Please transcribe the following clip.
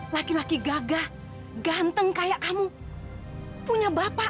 lagi lagi gagah ganteng kayak kamu punya bapak